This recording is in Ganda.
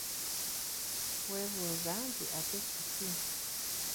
Weebuuza nti ate kiki?